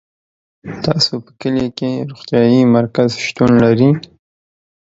تاسو په کلي کي روغتيايي مرکز شتون لری